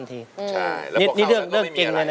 เพลงที่เจ็ดเพลงที่แปดแล้วมันจะบีบหัวใจมากกว่านี้